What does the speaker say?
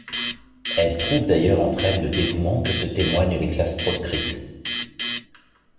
Elles trouvent d’ailleurs entre elles le dévouement que se témoignent les classes proscrites.